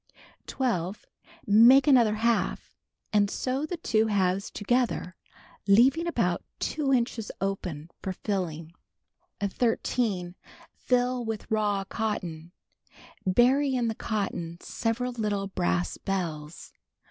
12. Make another half, and sew the two halves together, leaving about 2 inches open for filling. 13. Fill with raw cotton. Bury in the cotton several little brass bells.